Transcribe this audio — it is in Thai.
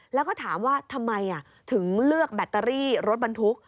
แล้วก็ถามว่าทำไมถึงเลือกแบตเตอรี่รถบรรทุก